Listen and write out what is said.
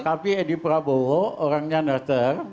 kkp edi prabowo orangnya nester